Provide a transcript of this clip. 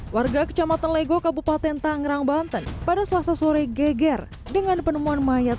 warga kecamatan lego kabupaten tangerang banten pada selasa sore geger dengan penemuan mayat